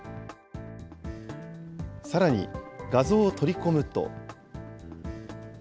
さらに、画像を取り込むと。